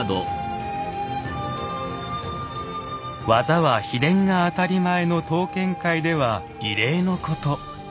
技は秘伝が当たり前の刀剣界では異例のこと。